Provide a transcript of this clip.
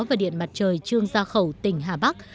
và điện mặt trời trương gia khẩu tỉnh hà bắc